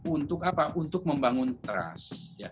untuk membangun trust